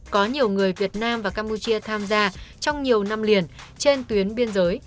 có nhiều người việt nam và campuchia tham gia trong nhiều năm liền trên tuyến biên giới